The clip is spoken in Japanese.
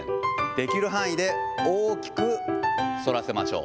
できる範囲で大きく反らせましょう。